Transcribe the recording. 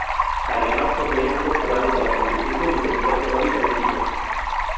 Además posee un Doctorado de la Pontificia Universidad Católica de Quito.